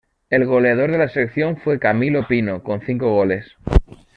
El goleador de la selección fue Camilo Pino con cinco goles.